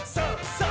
さあ！